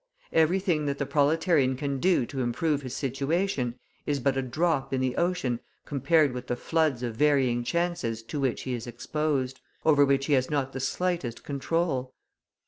Everything that the proletarian can do to improve his position is but a drop in the ocean compared with the floods of varying chances to which he is exposed, over which he has not the slightest control.